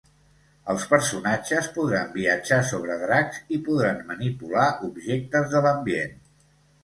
Els personatges podran viatjar sobre dracs, i podran manipular objectes de l'ambient.